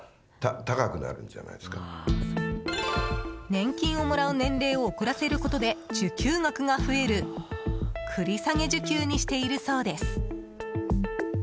年金をもらう年齢を遅らせることで受給額が増える繰り下げ受給にしているそうです。